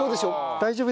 大丈夫！